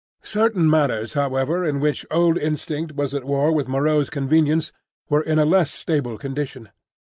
Certain matters, however, in which old instinct was at war with Moreau's convenience, were in a less stable condition.